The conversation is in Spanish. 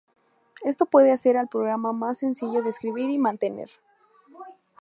Esto puede hacer al programa más sencillo de escribir y mantener.